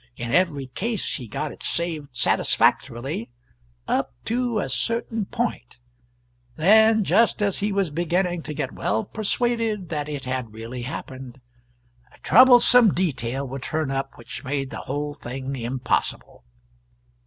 In every case he got it saved satisfactorily up to a certain point; then, just as he was beginning to get well persuaded that it had really happened, a troublesome detail would turn up which made the whole thing impossible.